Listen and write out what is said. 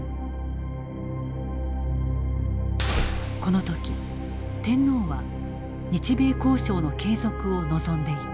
この時天皇は日米交渉の継続を望んでいた。